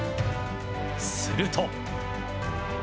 すると。